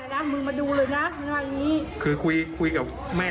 นักข่าวเราคุยกับป้าลินะครับป้าลิเนี่ยก็เล่าให้ฟังนะครับ